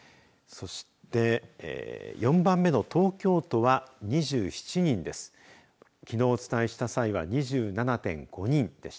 そして４番目の東京都は２７人です。